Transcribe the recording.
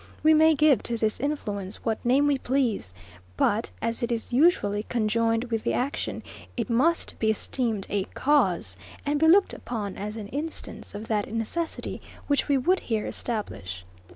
We may give to this influence what name we please; but, as it is usually conjoined with the action, it must be esteemed a cause, and be looked upon as an instance of that necessity, which we would here establish.